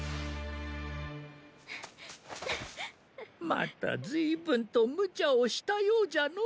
またずいぶんとむちゃをしたようじゃの？